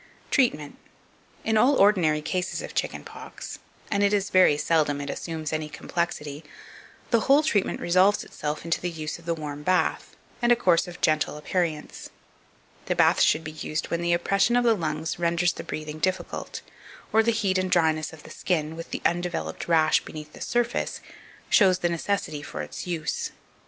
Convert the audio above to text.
2541. Treatment. In all ordinary cases of chicken pox and it is very seldom it assumes any complexity the whole treatment resolves itself into the use of the warm bath, and a course of gentle aperients. The bath should be used when the oppression of the lungs renders the breathing difficult, or the heat and dryness of the skin, with the undeveloped rash beneath the surface, shows the necessity for its use.